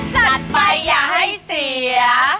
จัดไปอย่าให้เสีย